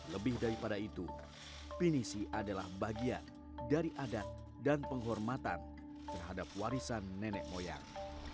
lebih daripada itu pinisi adalah bagian dari adat dan penghormatan terhadap warisan nenek moyang